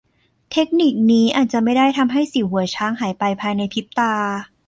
เทคนิคนี้อาจจะไม่ได้ทำให้สิวหัวช้างหายไปภายในพริบตา